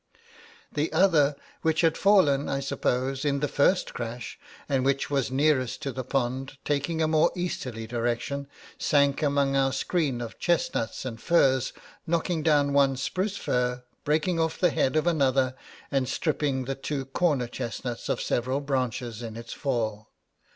'The other, which had fallen, I suppose, in the first crash, and which was nearest to the pond, taking a more easterly direction, sank among our screen of chestnuts and firs, knocking down one spruce fir, breaking off the head of another, and stripping the two corner chestnuts of several branches in its fall.